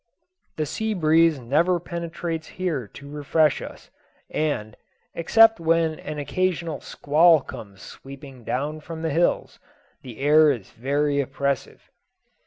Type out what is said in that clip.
The sea breeze never penetrates here to refresh us, and, except when an occasional squall comes sweeping down from the hills, the air is very oppressive.